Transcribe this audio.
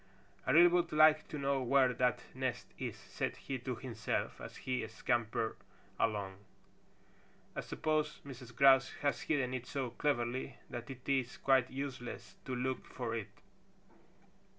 "I really would like to know where that nest is," said he to himself as he scampered along. "I suppose Mrs. Grouse has hidden it so cleverly that it is quite useless to look for it."